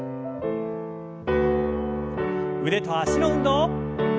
腕と脚の運動。